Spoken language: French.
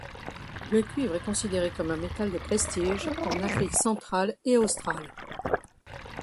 Le cuivre est considéré comme un métal de prestige en Afrique centrale et australe.